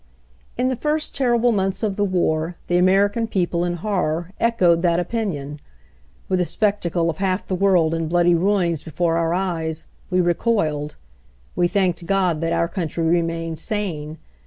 In the first terrible months of the war the American people, in horror, echoed that opinion. With the spectacle of half the world in bloody ruins before our eyes, we recoiled. We thanked God that our country remained sane.